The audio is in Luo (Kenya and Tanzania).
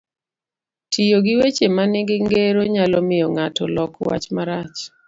Tiyo gi weche manigi ngero nyalo miyo ng'ato lok wach marach,